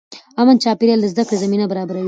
امن چاپېریال د زده کړې زمینه برابروي.